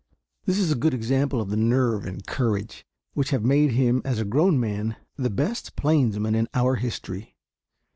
This is a good example of the nerve and courage which have made him as a grown man the best plainsman in our history.